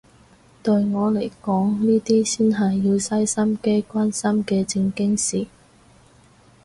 對我嚟講呢啲先係要嘥心機關心嘅正經事